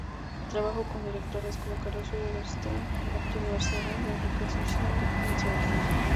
Trabajó con directores como Carlos Hugo Christensen, Arturo García Buhr, Enrique Susini, entre otros.